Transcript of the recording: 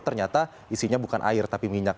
ternyata isinya bukan air tapi minyak